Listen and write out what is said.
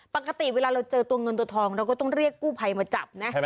ปกติเวลาเราเจอตัวเงินตัวทองเราก็ต้องเรียกกู้ภัยมาจับนะ